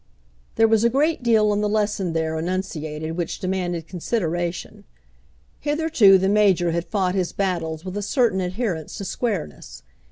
There was a great deal in the lesson there enunciated which demanded consideration. Hitherto the Major had fought his battles with a certain adherence to squareness.